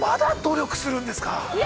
まだ努力するんですか。